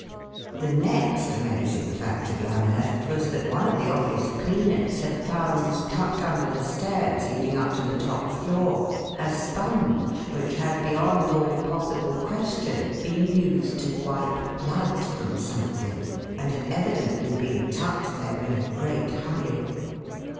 The next amazing fact to be unearthed was that one of the office cleaners had found tucked under the stairs leading up to the top floor a sponge, which had beyond all possible question been used to wipe blood from something and had evidently been tucked there in a great hurry.